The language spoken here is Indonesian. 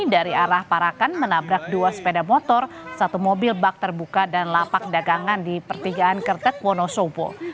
dari arah parakan menabrak dua sepeda motor satu mobil bak terbuka dan lapak dagangan di pertigaan kertek wonosobo